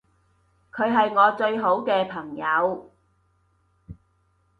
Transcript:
佢係我最好嘅朋友